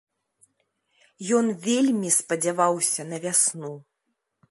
Ён вельмі спадзяваўся на вясну.